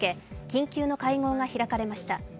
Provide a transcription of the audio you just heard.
緊急の会合が開かれました。